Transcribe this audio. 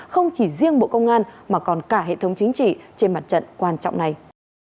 không chỉ riêng bộ công an mà còn cả hệ thống chính trị trên mặt trận quan trọng này